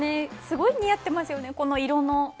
すごい似合ってますよね、この色の。